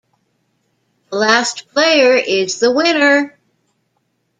The last player is the winner.